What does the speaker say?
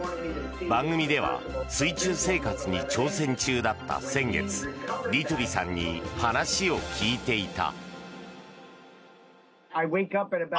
番組では水中生活に挑戦中だった先月ディトゥリさんに話を聞いていた。